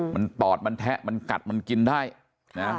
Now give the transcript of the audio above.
มันตอดมันแทะมันกัดมันกินได้นะ